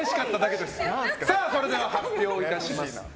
それでは発表いたします。